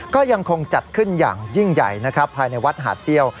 ก็ยังคงจัดขึ้นอย่างยิ่งใหญ่นะครับภายในวัดหาดเซี่ยว